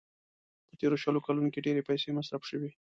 په تېرو شلو کلونو کې ډېرې پيسې مصرف شوې.